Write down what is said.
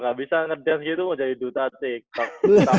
gak bisa ngedance gitu mau jadi duta tiktok